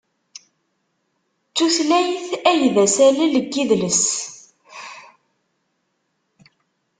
D tutlayt ay d asalel n yidles.